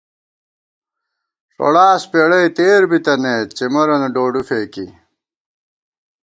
ݭوڑاس پېڑَئی تېر بِتَنَئیت، څِمَرَنہ ڈوڈُو فېکی